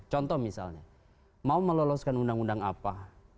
contoh misalnya mau meloloskan undang undang apa